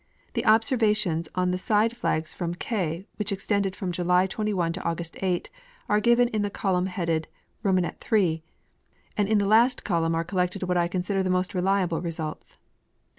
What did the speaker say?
The observations on the side flags from A" which extended from July 21 to ilugust 8, are given in the column headed iii, and in the last column are collected what I consider the most reliable results.